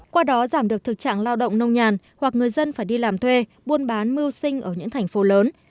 qua đó giảm được thực trạng lao động nông nhàn hoặc người dân phải đi làm thuê buôn bán mưu sinh ở những thành phố lớn